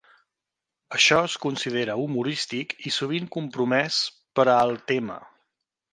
Això es considera humorístic i sovint compromès per al tema.